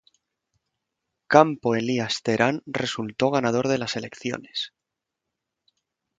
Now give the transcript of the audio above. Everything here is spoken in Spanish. Campo Elías Terán resultó ganador de las elecciones.